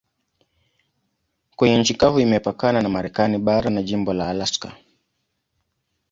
Kwenye nchi kavu imepakana na Marekani bara na jimbo la Alaska.